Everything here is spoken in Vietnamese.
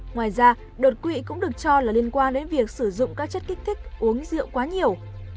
ngoài ra đột quỵ cũng được cho là liên quan đến việc sử dụng các chất kích thích uống rượu quá nhiều